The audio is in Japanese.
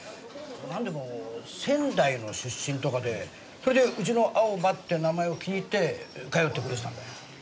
なんでも仙台の出身とかでそれでうちの「青葉」って名前を気に入って通ってくれてたんだよ。